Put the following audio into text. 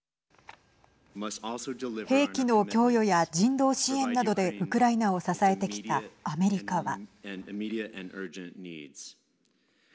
兵器の供与や人道支援などでウクライナを支えてきたアメリカは。